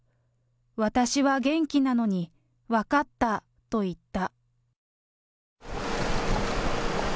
私は元気なのに、分かったと言った。